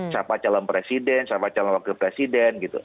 siapa calon presiden siapa calon wakil presiden gitu